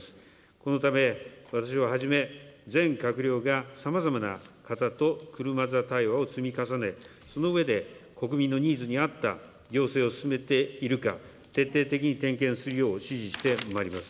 このため、私をはじめ、全閣僚がさまざまな方と車座対話を積み重ね、その上で国民のニーズに合った行政を進めているか、徹底的に点検するよう指示してまいります。